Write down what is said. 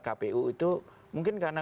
kpu itu mungkin karena